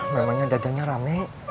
namanya dadanya rame